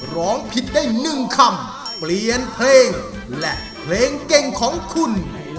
ร้องผิดได้๑คำเปลี่ยนเพลงและเพลงเก่งของคุณ